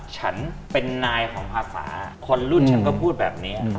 ฉันเป็นนายของภาษาคนรุ่นฉันก็พูดแบบนี้